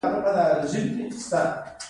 هره اومه ماده د کار موضوع کیدای شي.